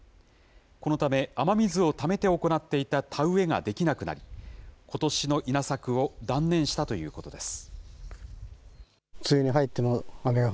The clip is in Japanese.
このため、雨水をためて行っていた田植えができなくなり、ことしの稲作を断念したということです。